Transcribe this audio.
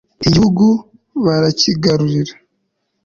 igihugu barakigarurira